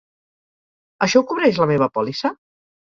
Això ho cobreix la meva pòlissa?